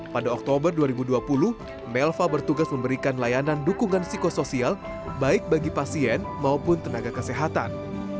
pada oktober dua ribu dua puluh melva bertugas memberikan layanan dukungan psikosoial baik bagi pasien maupun tenaga kesehatan